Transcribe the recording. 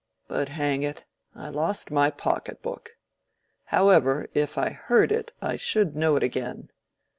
But hang it, I lost my pocketbook. However, if I heard it, I should know it again.